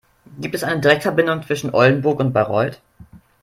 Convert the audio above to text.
Gibt es eine Direktverbindung zwischen Oldenburg und Bayreuth?